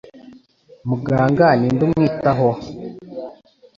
Muganga Ninde umwitaho we